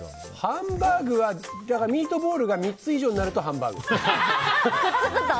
ハンバーグはミートボールが３つ以上になるとハンバーグ。